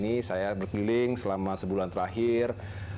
artinya masyarakat ini saya berkeliling selama sebulan terakhir